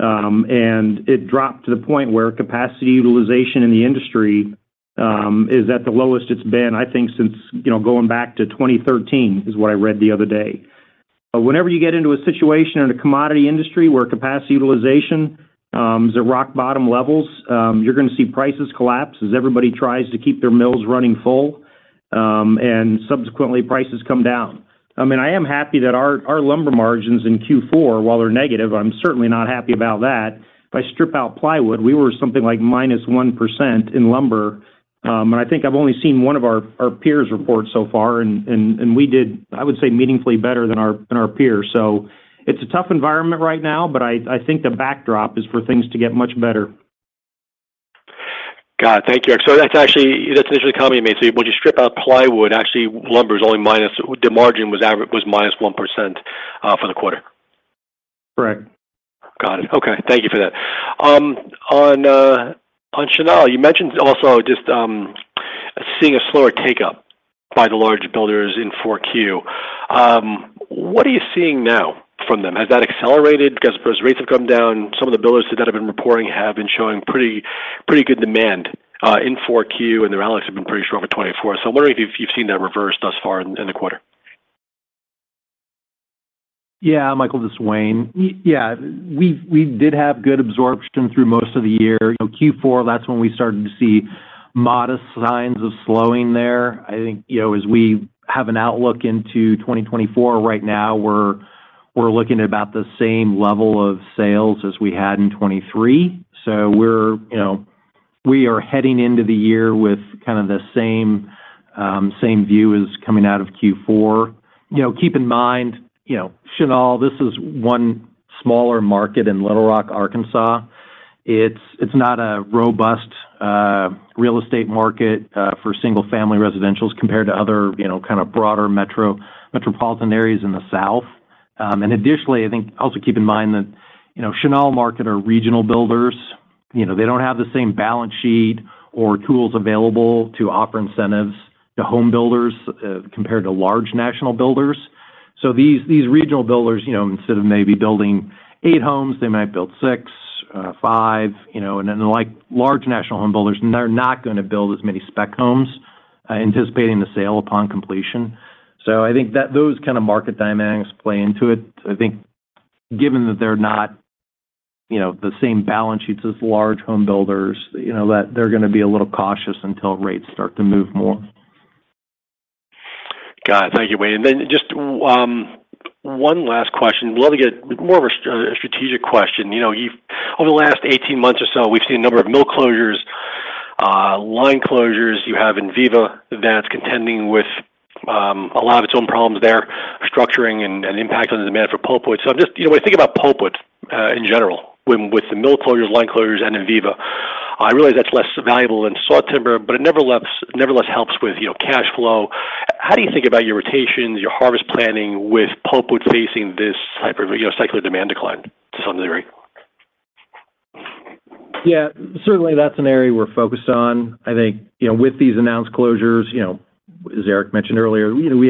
And it dropped to the point where capacity utilization in the industry is at the lowest it's been, I think, since, you know, going back to 2013, is what I read the other day. But whenever you get into a situation in a commodity industry where capacity utilization is at rock bottom levels, you're gonna see prices collapse as everybody tries to keep their mills running full, and subsequently, prices come down. I mean, I am happy that our lumber margins in Q4, while they're negative, I'm certainly not happy about that. If I strip out plywood, we were something like minus 1% in lumber. And I think I've only seen one of our peers report so far, and we did, I would say, meaningfully better than our peers. So it's a tough environment right now, but I think the backdrop is for things to get much better. Got it. Thank you. So that's actually, that's initially coming to me. So when you strip out plywood, actually, lumber is only minus the margin was average was minus 1%, for the quarter? Correct. Got it. Okay. Thank you for that. On Chenal, you mentioned also just seeing a slower take-up by the large builders in 4Q. What are you seeing now from them? Has that accelerated? Because as rates have come down, some of the builders that have been reporting have been showing pretty, pretty good demand in 4Q, and their outlooks have been pretty strong for 2024. So I'm wondering if you've seen that reverse thus far in the quarter. Yeah, Michael, this is Wayne. Yeah, we did have good absorption through most of the year. You know, Q4, that's when we started to see modest signs of slowing there. I think, you know, as we have an outlook into 2024, right now, we're looking at about the same level of sales as we had in 2023. So we're, you know, we are heading into the year with kind of the same same view as coming out of Q4. You know, keep in mind, you know, Chenal, this is one smaller market in Little Rock, Arkansas. It's not a robust real estate market for single-family residentials compared to other, you know, kind of broader metropolitan areas in the South. And additionally, I think also keep in mind that, you know, Chenal market are regional builders. You know, they don't have the same balance sheet or tools available to offer incentives to home builders, compared to large national builders. So these, these regional builders, you know, instead of maybe building eight homes, they might build six, five, you know, and then, like large national home builders, they're not gonna build as many spec homes, anticipating the sale upon completion. So I think that those kind of market dynamics play into it. I think given that they're not, you know, the same balance sheets as large home builders, you know, that they're gonna be a little cautious until rates start to move more. Got it. Thank you, Wayne. And then just one last question. I'd love to get more of a strategic question. You know, you've over the last 18 months or so, we've seen a number of mill closures, line closures. You have Enviva that's contending with a lot of its own problems there, structuring and impact on the demand for pulpwood. So I'm just, you know, when I think about pulpwood in general with the mill closures, line closures, and Enviva, I realize that's less valuable than sawtimber, but it nevertheless helps with, you know, cash flow. How do you think about your rotations, your harvest planning with pulpwood facing this type of, you know, cyclical demand decline to some degree? Yeah, certainly that's an area we're focused on. I think, you know, with these announced closures, you know, as Eric mentioned earlier, you know, we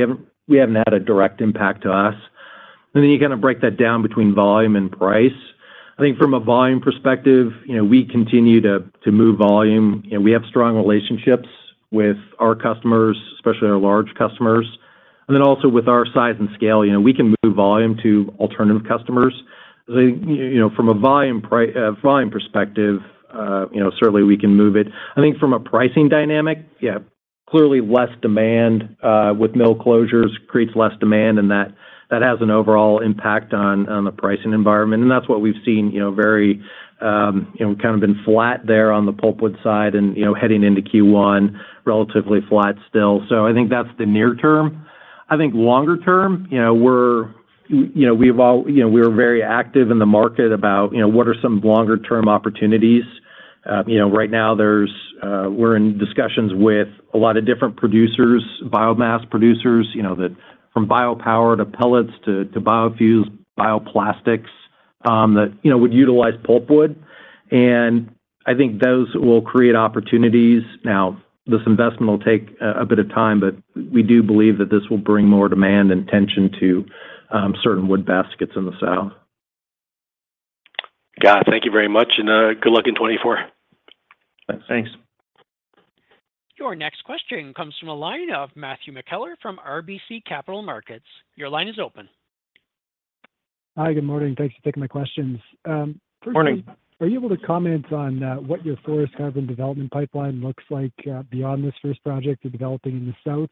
haven't had a direct impact to us. And then you kind of break that down between volume and price. I think from a volume perspective, you know, we continue to move volume, and we have strong relationships with our customers, especially our large customers, and then also with our size and scale, you know, we can move volume to alternative customers. I think, you know, from a volume perspective, you know, certainly we can move it. I think from a pricing dynamic, yeah, clearly, less demand with mill closures creates less demand, and that, that has an overall impact on, on the pricing environment, and that's what we've seen, you know, very, you know, kind of been flat there on the pulpwood side and, you know, heading into Q1, relatively flat still. So I think that's the near term. I think longer term, you know, we're, you know, we've all, you know, we are very active in the market about, you know, what are some longer-term opportunities. You know, right now there's, we're in discussions with a lot of different producers, biomass producers, you know, that from biopower to pellets to, to biofuels, bioplastics, that, you know, would utilize pulpwood, and I think those will create opportunities. Now, this investment will take a bit of time, but we do believe that this will bring more demand and tension to certain wood baskets in the South. Got it. Thank you very much, and good luck in 2024. Thanks. Your next question comes from the line of Matthew McKellar from RBC Capital Markets. Your line is open. Hi, good morning. Thanks for taking my questions. First- Morning. Are you able to comment on what your forest carbon development pipeline looks like beyond this first project you're developing in the south?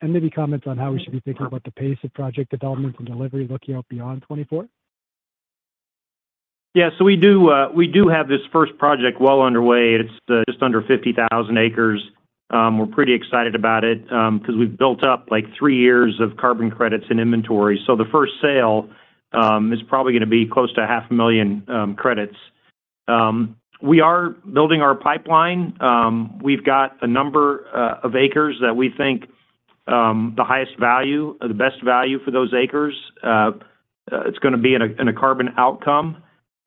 And maybe comment on how we should be thinking about the pace of project development and delivery looking out beyond 2024. Yeah. So we do have this first project well underway. It's just under 50,000 acres. We're pretty excited about it, 'cause we've built up, like, 3 years of carbon credits and inventory. So the first sale is probably gonna be close to 500,000 credits. We are building our pipeline. We've got a number of acres that we think the highest value or the best value for those acres it's gonna be in a carbon outcome.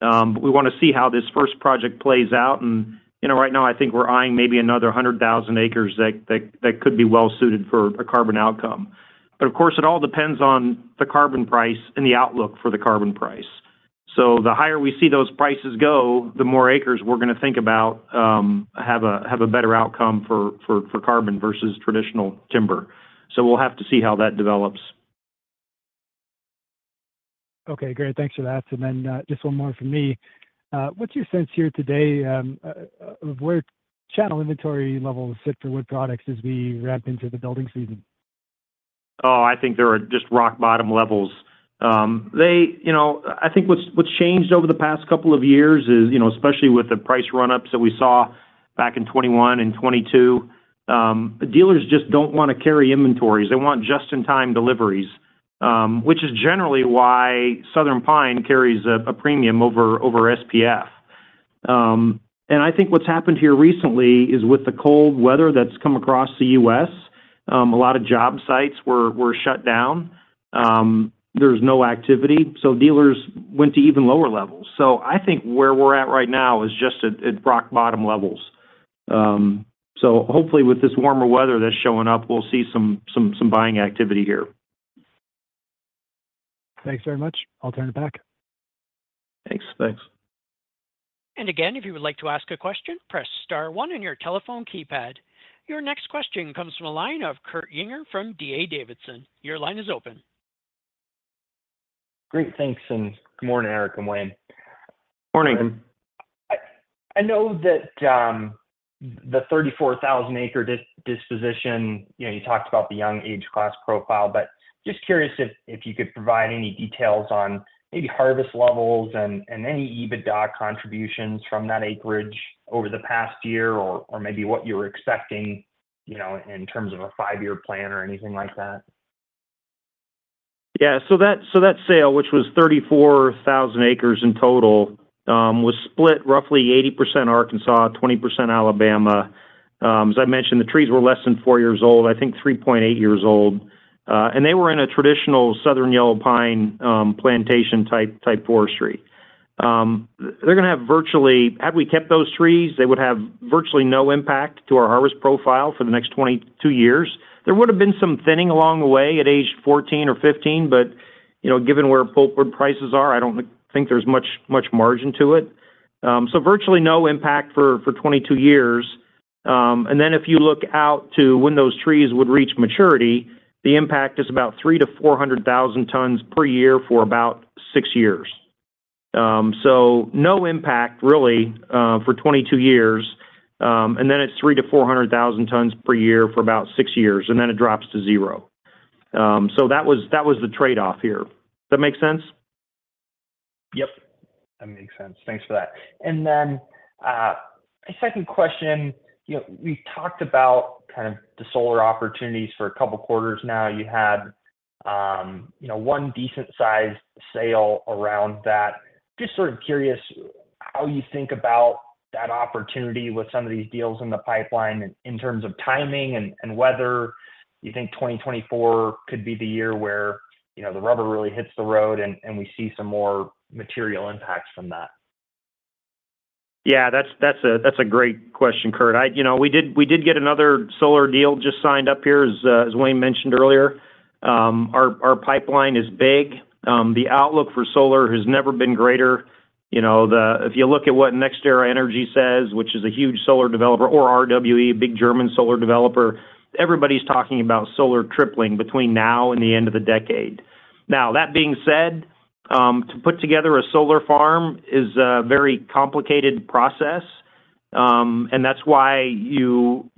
We want to see how this first project plays out. And, you know, right now, I think we're eyeing maybe another 100,000 acres that could be well suited for a carbon outcome. But, of course, it all depends on the carbon price and the outlook for the carbon price. So the higher we see those prices go, the more acres we're gonna think about have a better outcome for carbon versus traditional timber. So we'll have to see how that develops. Okay, great. Thanks for that. And then, just one more from me. What's your sense here today, of where channel inventory levels sit for wood products as we ramp into the building season? Oh, I think they are just rock bottom levels. You know, I think what's changed over the past couple of years is, you know, especially with the price run-ups that we saw back in 2021 and 2022, dealers just don't want to carry inventories. They want just-in-time deliveries, which is generally why Southern Pine carries a premium over SPF. And I think what's happened here recently is, with the cold weather that's come across the U.S., a lot of job sites were shut down. There's no activity, so dealers went to even lower levels. So I think where we're at right now is just at rock bottom levels. So hopefully with this warmer weather that's showing up, we'll see some buying activity here. Thanks very much. I'll turn it back. Thanks. Thanks. And again, if you would like to ask a question, press star one on your telephone keypad. Your next question comes from a line of Kurt Yinger from D.A. Davidson. Your line is open. Great. Thanks, and good morning, Eric and Wayne. I know that the 34,000-acre disposition, you know, you talked about the young age class profile, but just curious if you could provide any details on maybe harvest levels and any EBITDA contributions from that acreage over the past year, or maybe what you were expecting, you know, in terms of a five-year plan or anything like that. Yeah. So that sale, which was 34,000 acres in total, was split roughly 80% Arkansas, 20% Alabama. As I mentioned, the trees were less than 4 years old, I think 3.8 years old. And they were in a traditional Southern Yellow Pine, plantation-type forestry. They're gonna have virtually... Had we kept those trees, they would have virtually no impact to our harvest profile for the next 22 years. There would have been some thinning along the way at age 14 or 15, but, you know, given where pulpwood prices are, I don't think there's much margin to it. So virtually no impact for 22 years. Then, if you look out to when those trees would reach maturity, the impact is about 300,000-400,000 tons per year for about 6 years. So no impact really for 22 years, and then it's 300,000-400,000 tons per year for about 6 years, and then it drops to zero. So that was the trade-off here. Does that make sense? Yep, that makes sense. Thanks for that. And then, my second question, you know, we've talked about kind of the solar opportunities for a couple of quarters now. You had, you know, one decent-sized sale around that. Just sort of curious how you think about that opportunity with some of these deals in the pipeline in terms of timing and whether you think 2024 could be the year where, you know, the rubber really hits the road, and we see some more material impacts from that. Yeah, that's a great question, Kurt. You know, we did get another solar deal just signed up here, as Wayne mentioned earlier. Our pipeline is big. The outlook for solar has never been greater. You know, if you look at what NextEra Energy says, which is a huge solar developer, or RWE, a big German solar developer, everybody's talking about solar tripling between now and the end of the decade. Now, that being said, to put together a solar farm is a very complicated process, and that's why you,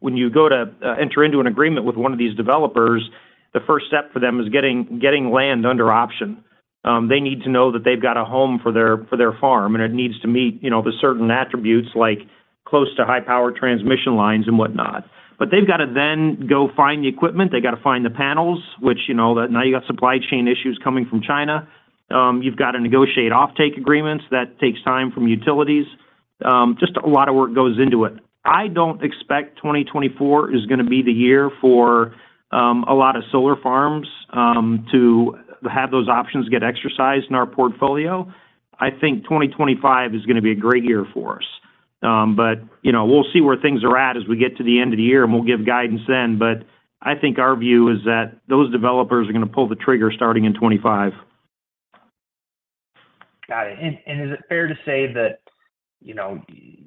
when you go to enter into an agreement with one of these developers, the first step for them is getting land under option. They need to know that they've got a home for their, for their farm, and it needs to meet, you know, the certain attributes, like close to high-power transmission lines and whatnot. But they've got to then go find the equipment, they got to find the panels, which, you know, now you got supply chain issues coming from China. You've got to negotiate offtake agreements, that takes time from utilities. Just a lot of work goes into it. I don't expect 2024 is gonna be the year for a lot of solar farms to have those options get exercised in our portfolio. I think 2025 is gonna be a great year for us. But, you know, we'll see where things are at as we get to the end of the year, and we'll give guidance then. But I think our view is that those developers are gonna pull the trigger starting in 2025. Got it. And is it fair to say that, you know,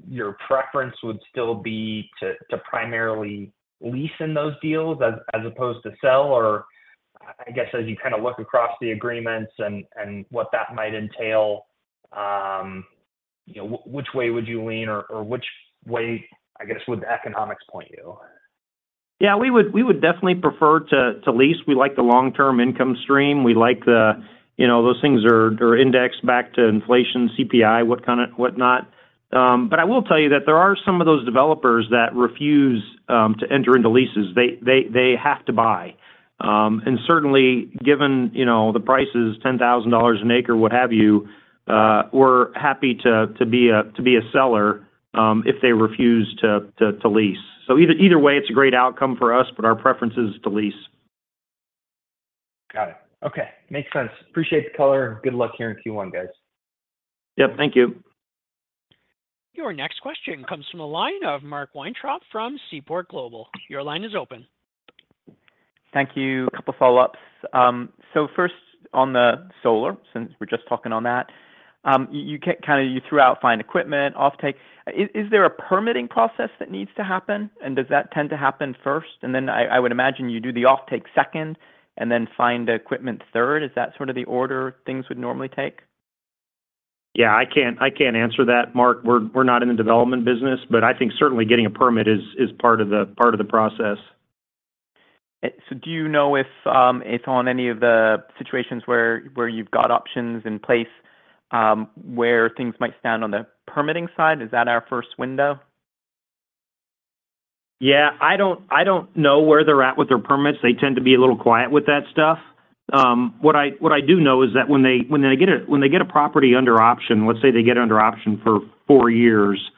your preference would still be to primarily lease in those deals as opposed to sell? Or, I guess, as you kind of look across the agreements and what that might entail, you know, which way would you lean, or which way, I guess, would the economics point you? Yeah, we would definitely prefer to lease. We like the long-term income stream. We like the, you know, those things are, they're indexed back to inflation, CPI, what kind of whatnot. But I will tell you that there are some of those developers that refuse to enter into leases. They have to buy. And certainly, given, you know, the price is $10,000 an acre, what have you, we're happy to be a seller if they refuse to lease. So either way, it's a great outcome for us, but our preference is to lease. Got it. Okay, makes sense. Appreciate the color, and good luck here in Q1, guys. Yep, thank you. Your next question comes from the line of Mark Weintraub from Seaport Global. Your line is open. Thank you. A couple follow-ups. So first on the solar, since we're just talking on that, you kind of threw out fine equipment, offtake. Is there a permitting process that needs to happen? And does that tend to happen first? And then I would imagine you do the offtake second, and then find the equipment third. Is that sort of the order things would normally take? Yeah, I can't answer that, Mark. We're not in the development business, but I think certainly getting a permit is part of the process. So do you know if it's on any of the situations where you've got options in place where things might stand on the permitting side? Is that our first window? Yeah, I don't know where they're at with their permits. They tend to be a little quiet with that stuff. What I do know is that when they get a property under option, let's say they get it under option for 4 years,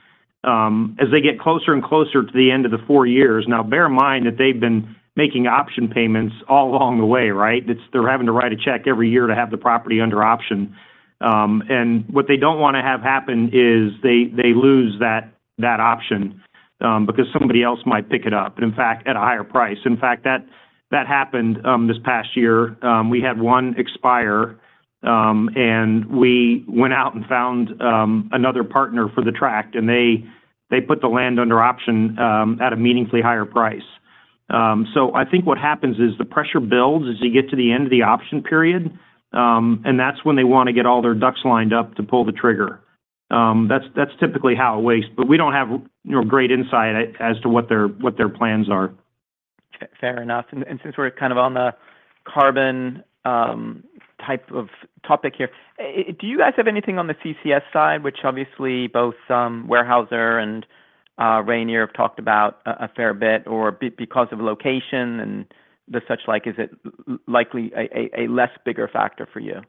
as they get closer and closer to the end of the 4 years. Now, bear in mind that they've been making option payments all along the way, right? It's. They're having to write a check every year to have the property under option. And what they don't wanna have happen is they lose that option, because somebody else might pick it up, and in fact, at a higher price. In fact, that happened this past year. We had one expire, and we went out and found another partner for the tract, and they, they put the land under option at a meaningfully higher price. So I think what happens is the pressure builds as you get to the end of the option period, and that's when they wanna get all their ducks lined up to pull the trigger. That's typically how it works, but we don't have, you know, great insight as to what their plans are. Fair enough. And since we're kind of on the carbon type of topic here, do you guys have anything on the CCS side, which obviously both Weyerhaeuser and Rayonier have talked about a fair bit or because of location and the such like, is it likely a less bigger factor for you?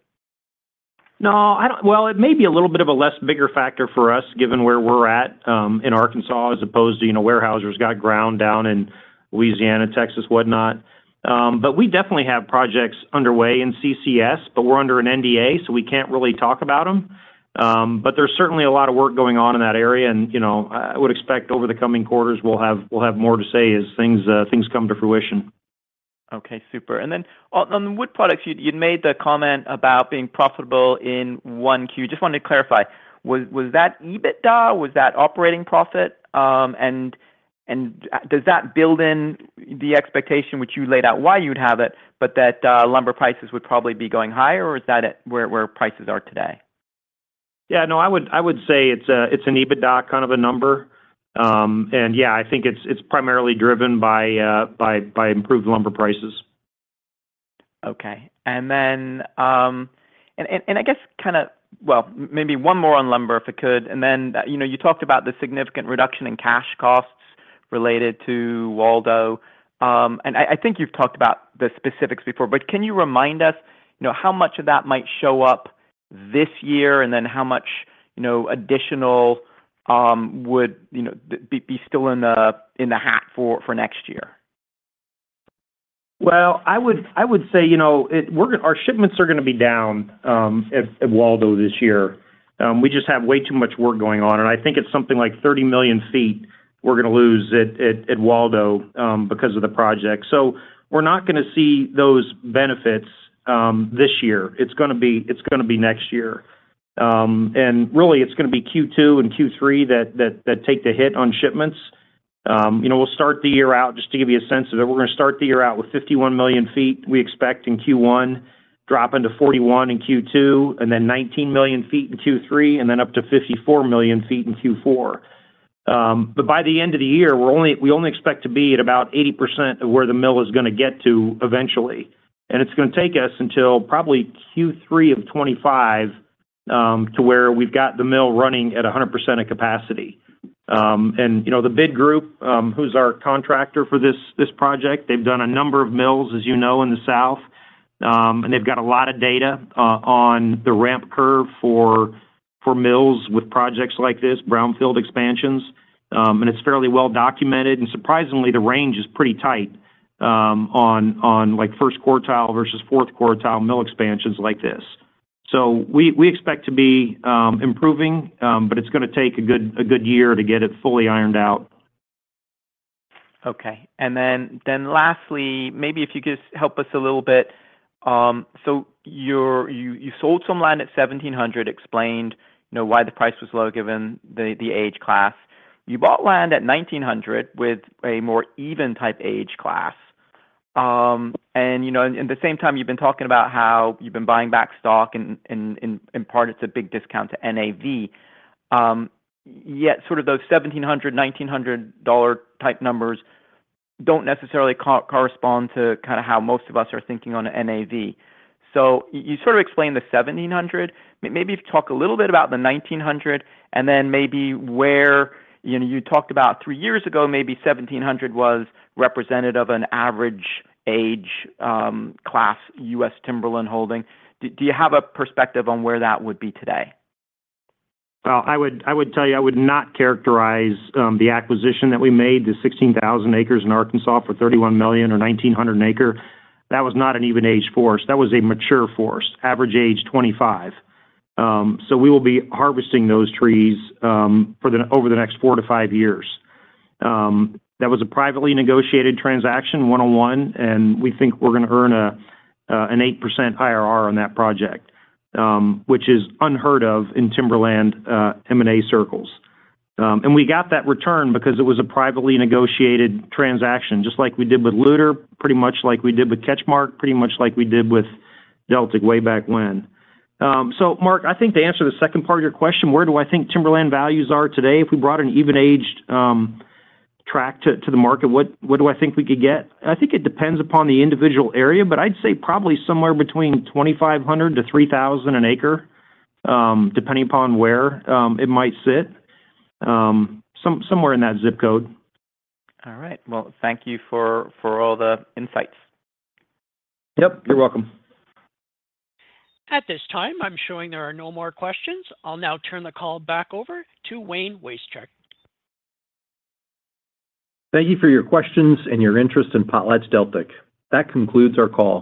No, I don't. Well, it may be a little bit of a less bigger factor for us, given where we're at, in Arkansas, as opposed to, you know, Weyerhaeuser's got ground down in Louisiana, Texas, whatnot. But we definitely have projects underway in CCS, but we're under an NDA, so we can't really talk about them. But there's certainly a lot of work going on in that area, and, you know, I would expect over the coming quarters, we'll have, we'll have more to say as things, things come to fruition. Okay, super. And then on the wood products, you'd made the comment about being profitable in 1Q. Just wanted to clarify, was that EBITDA? Was that operating profit? And does that build in the expectation which you laid out why you'd have it, but that lumber prices would probably be going higher, or is that at where prices are today? Yeah, no, I would say it's an EBITDA kind of a number. And yeah, I think it's primarily driven by improved lumber prices. Okay. And then, I guess kind of—Well, maybe one more on lumber, if I could, and then, you know, you talked about the significant reduction in cash costs related to Waldo. And I think you've talked about the specifics before, but can you remind us, you know, how much of that might show up this year, and then how much, you know, additional, would, you know, be still in the hat for next year? Well, I would say, you know, our shipments are gonna be down at Waldo this year. We just have way too much work going on, and I think it's something like 30 million feet we're gonna lose at Waldo because of the project. So we're not gonna see those benefits this year. It's gonna be next year. And really, it's gonna be Q2 and Q3 that take the hit on shipments. You know, we'll start the year out, just to give you a sense of it, we're gonna start the year out with 51 million feet we expect in Q1, dropping to 41 in Q2, and then 19 million feet in Q3, and then up to 54 million feet in Q4. But by the end of the year, we're only- we only expect to be at about 80% of where the mill is gonna get to eventually. And it's gonna take us until probably Q3 of 2025, to where we've got the mill running at 100% of capacity. And, you know, the BID Group, who's our contractor for this, this project, they've done a number of mills, as you know, in the South, and they've got a lot of data on the ramp curve for, for mills with projects like this, brownfield expansions. And it's fairly well documented, and surprisingly, the range is pretty tight, on, on, like, first quartile versus fourth quartile mill expansions like this. We expect to be improving, but it's gonna take a good year to get it fully ironed out. Okay. And then lastly, maybe if you could just help us a little bit. So you sold some land at $1,700, explained, you know, why the price was low given the age class. You bought land at $1,900 with a more even type age class. And you know, and at the same time, you've been talking about how you've been buying back stock, and in part, it's a big discount to NAV. Yet sort of those $1,700, $1,900 type numbers don't necessarily correspond to kinda how most of us are thinking on a NAV. So you sort of explained the $1,700. Maybe if you talk a little bit about the $1,900, and then maybe where. You know, you talked about three years ago, maybe 1,700 was representative of an average age class U.S. timberland holding. Do you have a perspective on where that would be today? Well, I would, I would tell you, I would not characterize the acquisition that we made, the 16,000 acres in Arkansas for $31 million or $1,900 an acre. That was not an even-aged forest. That was a mature forest, average age 25. So we will be harvesting those trees over the next 4-5 years. That was a privately negotiated transaction, one-on-one, and we think we're gonna earn an 8% IRR on that project, which is unheard of in timberland M&A circles. And we got that return because it was a privately negotiated transaction, just like we did with Loutre, pretty much like we did with CatchMark, pretty much like we did with Deltic way back when. So, Mark, I think to answer the second part of your question, where do I think timberland values are today if we brought an even-aged tract to the market, what do I think we could get? I think it depends upon the individual area, but I'd say probably somewhere between $2,500-$3,000 an acre, depending upon where it might sit. Somewhere in that zip code. All right. Well, thank you for, for all the insights. Yep, you're welcome. At this time, I'm showing there are no more questions. I'll now turn the call back over to Wayne Wasechek. Thank you for your questions and your interest in PotlatchDeltic. That concludes our call.